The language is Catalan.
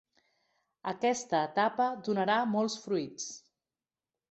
Aquesta etapa donarà molts fruits.